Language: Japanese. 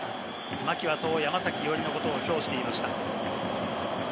牧はそう山崎のことを表していました。